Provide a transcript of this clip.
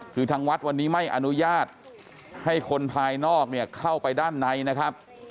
คือทางวัดวันนี้ไม่อนุญาตให้คนภายนอกเนี่ยเข้าไปด้านในนะครับ